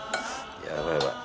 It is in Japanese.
やばいやばい。